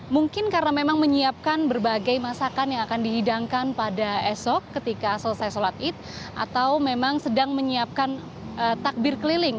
mungkin karena memang menyiapkan berbagai masakan yang akan dihidangkan pada esok ketika selesai sholat id atau memang sedang menyiapkan takbir keliling